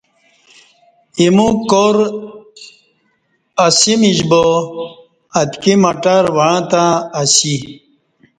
ایمو کور اسومیش با اتکی مٹر وعں تہ اسی